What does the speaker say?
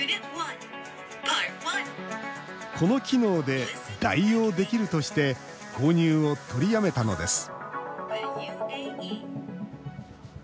この機能で代用できるとして購入を取りやめたのです